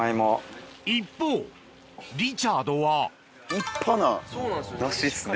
一方リチャードは立派な梨っすね。